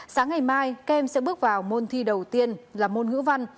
sáng ngày mai kem sẽ bước vào môn thi đầu tiên là môn ngữ văn